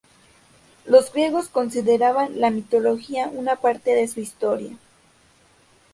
Los griegos consideraban la mitología una parte de su historia.